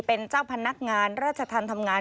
เป็นเจ้าพนักงานราชธรรมทำงาน